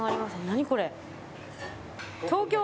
何これ？